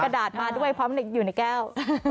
กระดาษมาด้วยเพราะมันอยู่ในแก้ว